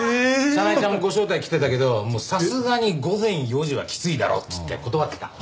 早苗ちゃんもご招待来てたけどさすがに午前４時はきついだろっつって断ってた。